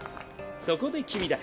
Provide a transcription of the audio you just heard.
そこで君だ。